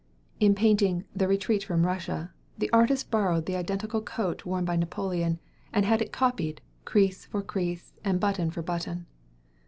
In painting the "Retreat from Russia," the artist borrowed the identical coat worn by Napoleon, and had it copied, crease for crease, and button for button.